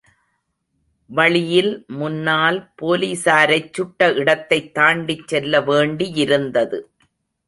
வழியில் முன்னால் போலிஸாரைச் சுட்ட இடத்தைத் தாண்டிச்செல்ல வேண்டியிருந்தது.